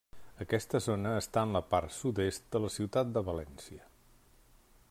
Aquesta zona està en la part sud-est de la ciutat de València.